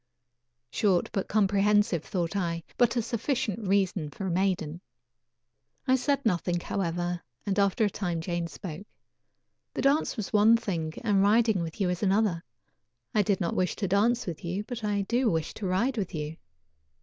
"Short but comprehensive," thought I, "but a sufficient reason for a maiden." I said nothing, however, and after a time Jane spoke: "The dance was one thing and riding with you is another. I did not wish to dance with you, but I do wish to ride with you.